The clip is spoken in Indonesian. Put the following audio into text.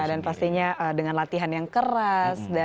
dan pastinya dengan latihan yang keras